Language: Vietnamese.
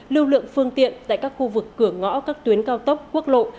lưu lượng phương tiện tại các khu vực cửa ngõ các tuyến cao tốc quốc lộ